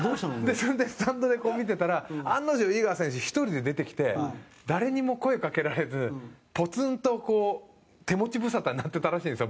それでスタンドで、こう見てたら案の定、井川選手１人で出てきて誰にも声かけられずポツンと、こう手持ち無沙汰になってたらしいんですよ